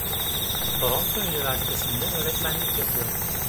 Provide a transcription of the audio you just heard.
Toronto Üniversitesi’nde öğretmenlik yapıyor.